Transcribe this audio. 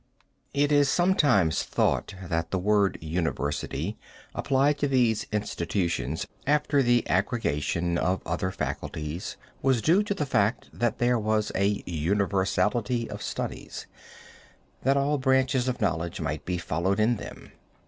It is sometimes thought that the word university applied to these institutions after the aggregation of other faculties, was due to the fact that there was a universality of studies, that all branches of knowledge might be followed in them.